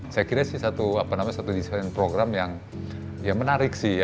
saya kira sih satu apa namanya satu desain program yang ya menarik sih ya